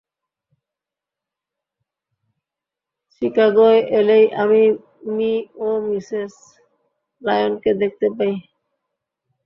চিকাগোয় এলেই আমি মি ও মিসেস লায়নকে দেখতে যাই।